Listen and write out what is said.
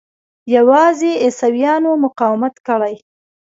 یوازې عیسویانو مقاومت کړی.